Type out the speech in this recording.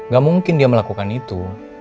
gak mungkin dia melakukan itu